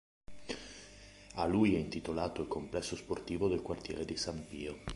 A lui è intitolato il complesso sportivo del quartiere di San Pio.